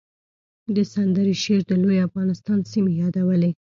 د سندرې شعر د لوی افغانستان سیمې یادولې